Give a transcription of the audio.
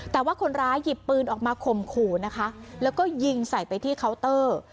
แต่ว่าคนร้ายหยิบปืนออกมาข่มขู่นะคะแล้วก็ยิงใส่ไปที่เคาน์เตอร์